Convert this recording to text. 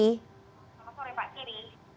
selamat sore pak giri